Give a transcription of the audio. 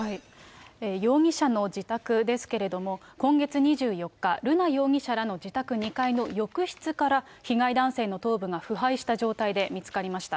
容疑者の自宅ですけれども、今月２４日、瑠奈容疑者らの自宅２階の浴室から、被害男性の頭部が腐敗した状態で見つかりました。